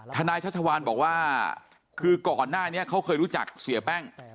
ชัชวานบอกว่าคือก่อนหน้านี้เขาเคยรู้จักเสียแป้ง